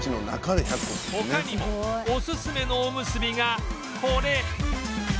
他にもオススメのおむすびがこれ！